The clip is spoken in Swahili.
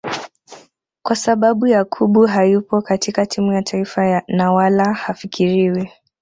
Kwa sababu Yakubu hayupo katika timu ya taifa na wala hafikiriwi